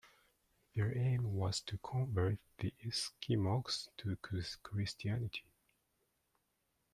Their aim was to convert the Esquimaux to Christianity.